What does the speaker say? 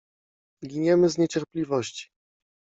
Giniemy z niecierpliwości!